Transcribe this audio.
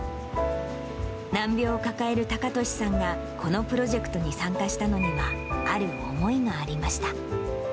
難病を抱える隆敏さんが、このプロジェクトに参加したのには、ある思いがありました。